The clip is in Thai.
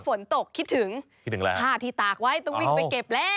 ฝนตกคิดถึงค่ะที่ตากไว้ต้องวิ่งไปเก็บแล้ว